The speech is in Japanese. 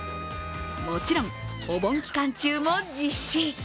もちろん、お盆期間中も実施。